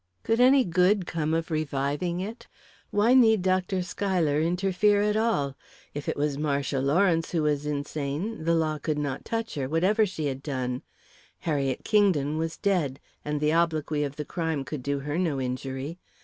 Could any good come of reviving it? Why need Dr. Schuyler interfere at all? If it was Marcia Lawrence who was insane, the law could not touch her, whatever she had done. Harriet Kingdon was dead, and the obloquy of the crime could do her no injury.